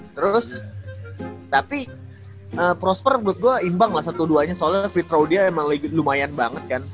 terus tapi prosper menurut gue imbang lah satu duanya soalnya free trau dia emang lumayan banget kan